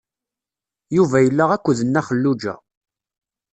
Yuba yella akked Nna Xelluǧa.